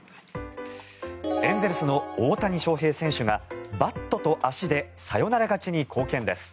エンゼルスの大谷翔平選手がバットと足でサヨナラ勝ちに貢献です。